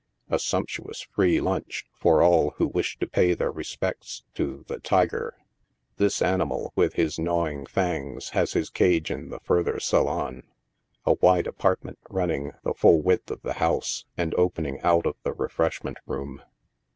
A sumptuous " free lunch" for all who wish to pay their respects to the " tiger. 55 This animal, with his gnawing fangs, has his cage in the further salon — a wide apartment, running the full width of the house, and opening out of the refreshment room.